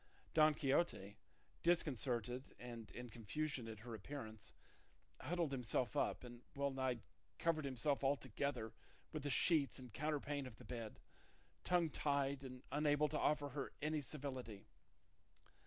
Don Quixote, disconcerted and in confusion at her appearance, huddled himself up and well nigh covered himself altogether with the sheets and counterpane of the bed, tongue tied, and unable to offer her any civility.